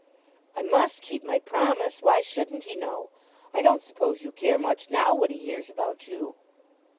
"I must keep my promise. Why shouldn't he know? I don't suppose you care much now what he hears about you."